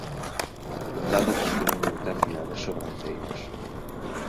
O condado posúe moitas cidades sobranceiras.